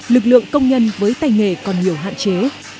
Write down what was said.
lực lượng công nhân với tay nghề còn nhiều hạn chế